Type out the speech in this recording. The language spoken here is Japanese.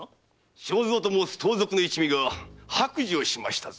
庄三と申す盗賊の一味が白状しましたぞ。